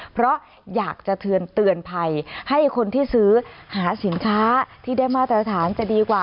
เพราะอยากจะเตือนภัยให้คนที่ซื้อหาสินค้าที่ได้มาตรฐานจะดีกว่า